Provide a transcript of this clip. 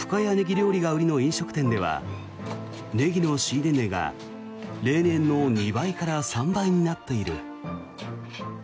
料理が売りの飲食店ではネギの仕入れ値が例年の２倍から３倍になっている。